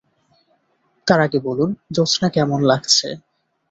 তার আগে বলুন, জোছনা কেমন লাগছে।